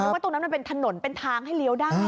ว่าตรงนั้นมันเป็นถนนเป็นทางให้เลี้ยวได้